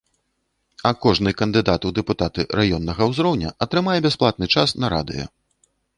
А кожны кандыдат у дэпутаты раённага ўзроўня атрымае бясплатны час на радыё.